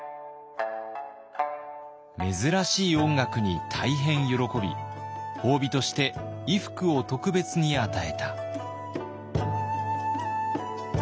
珍しい音楽に大変喜び褒美として衣服を特別に与えた。